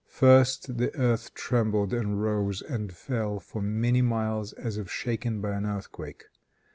First the earth trembled and rose and fell for many miles as if shaken by an earthquake.